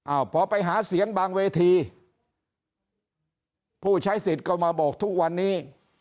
พอไปหาเสียงบางเวทีผู้ใช้สิทธิ์ก็มาบอกทุกวันนี้